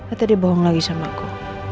atau dia bohong lagi sama aku